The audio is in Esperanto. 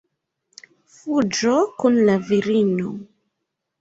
Fuĝo kun la virino.